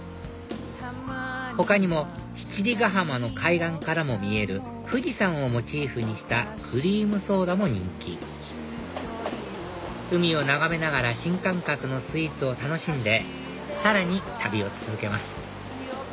他にも七里ケ浜の海岸からも見える富士山をモチーフにしたクリームソーダも人気海を眺めながら新感覚のスイーツを楽しんでさらに旅を続けます